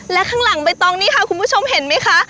และข้างหลังใบตองนี่ค่ะคุณผู้ชมเห็นไหมคะ